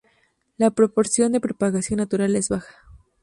La proporción de propagación natural es baja.